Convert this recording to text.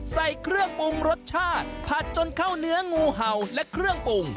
ใส่เครื่องปรุงรสชาติผัดจนเข้าเนื้องูเห่าและเครื่องปรุง